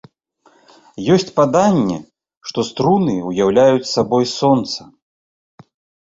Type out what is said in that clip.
Ёсць паданне, што струны уяўляюць сабой сонца.